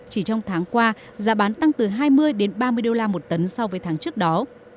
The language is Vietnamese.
chỉ trong tháng qua giá bán tăng từ hai mươi đến ba mươi đô la một tấn so với tháng trước đó